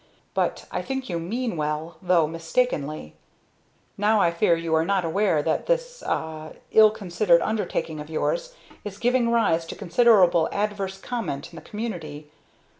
But I think you mean well, though mistakenly. Now I fear you are not aware that this ah ill considered undertaking of yours, is giving rise to considerable adverse comment in the community.